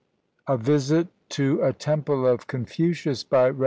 A VISIT TO A TEMPLE OF CONFUCIUS BY REV.